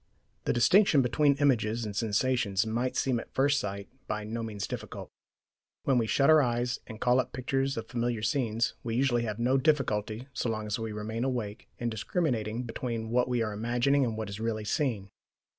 The distinction between images and sensations might seem at first sight by no means difficult. When we shut our eyes and call up pictures of familiar scenes, we usually have no difficulty, so long as we remain awake, in discriminating between what we are imagining and what is really seen.